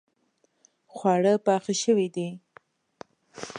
خواړه پاخه شوې دي